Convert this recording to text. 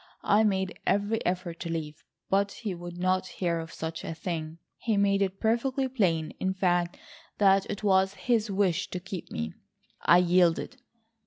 I made every effort to leave, but he would not hear of such a thing. He made it perfectly plain in fact that it was his wish to keep me. I yielded.